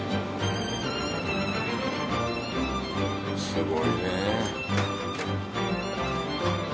すごいね。